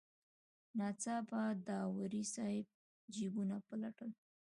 ناڅاپه داوري صاحب جیبونه پلټل.